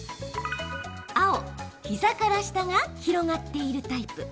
青・膝から下が広がっているタイプ。